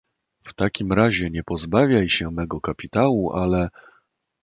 "W takim razie nie pozbawiaj się mego kapitału, ale..."